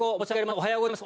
おはようございます。